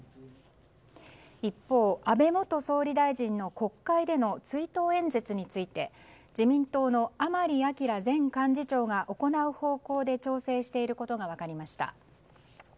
一方、安倍元総理大臣の国会での追悼演説について自民党の甘利明前幹事長が行う方向で調整していることが分かりました。